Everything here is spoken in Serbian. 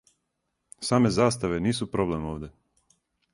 Саме заставе нису проблем овде.